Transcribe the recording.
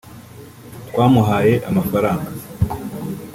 twamuhaye amafaranga